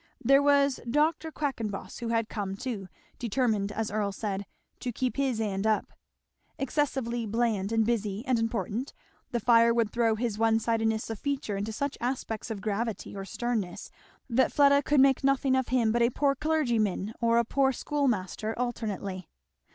There was Dr. Quackenboss, who had come too, determined as Earl said, "to keep his eend up," excessively bland and busy and important, the fire would throw his one sidedness of feature into such aspects of gravity or sternness that Fleda could make nothing of him but a poor clergyman or a poor schoolmaster alternately.